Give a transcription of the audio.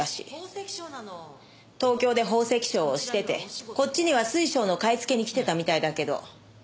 東京で宝石商をしててこっちには水晶の買い付けに来てたみたいだけど。